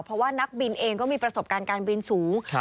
เพราะว่านักบินเองก็มีประสบการณ์การบินสูง